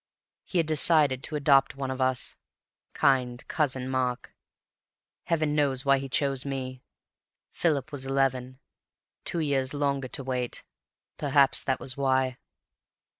He had decided to adopt one of us, kind Cousin Mark. Heaven knows why he chose me. Philip was eleven; two years longer to wait. Perhaps that was why.